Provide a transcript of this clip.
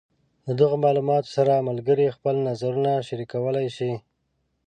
له دغو معلوماتو سره ملګري خپل نظرونه شریکولی شي.